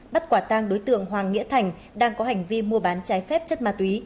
bắt quả tang đối tượng hoàng nghĩa thành đang có hành vi mua bán trái phép chất ma túy